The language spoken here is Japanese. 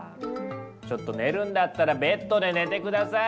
ちょっと寝るんだったらベッドで寝て下さい！